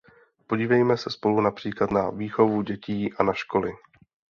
Podívejme se spolu například na výchovu dětí a na školy.